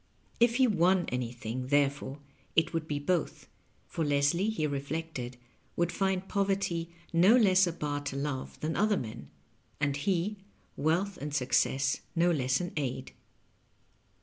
If he won anything, therefore, it would be both ; for Leslie, he reflected, would find poverty no less a bar to love than other men : and he, wealth and success no less an aid.